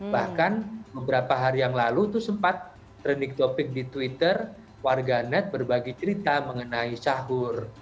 bahkan beberapa hari yang lalu itu sempat trending topic di twitter warga net berbagi cerita mengenai sahur